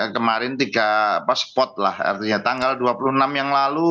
kemarin tiga spot lah artinya tanggal dua puluh enam yang lalu